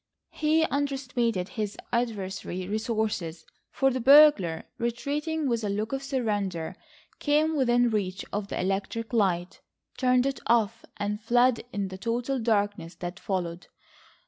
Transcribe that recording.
He underestimated his adversary's resources, for the burglar, retreating with a look of surrender, came within reach of the electric light, turned it off, and fled in the total darkness that followed.